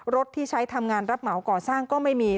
ที่ใช้ทำงานรับเหมาก่อสร้างก็ไม่มี